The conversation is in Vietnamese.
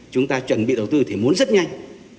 chúng ta chuẩn bị đầu tư thì muốn rất nhanh